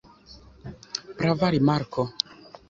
Prava rimarko.